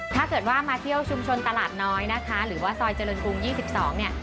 ถ้าเกิดว่ามาเที่ยวชุมชนตลาดน้อยนะคะหรือว่าซอยเจริญกรุง๒๒เนี่ย